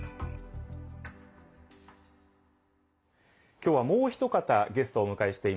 今日はもう一方ゲストをお迎えしています。